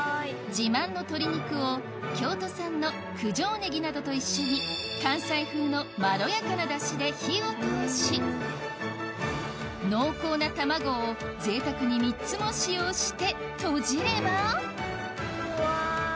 自慢の鶏肉を京都産の九条ネギなどと一緒に関西風のまろやかなだしで火を通し濃厚な卵をぜいたくに３つも使用してとじればうわ。